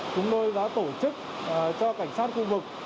chúng tôi đã tổ chức cho cảnh sát khu vực